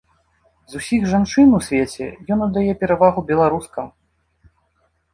З усіх жанчын у свеце ён аддае перавагу беларускам.